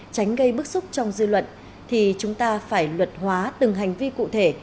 tránh gây bức xúc trong dư luận thì chúng ta phải luật hóa từng hành vi cụ thể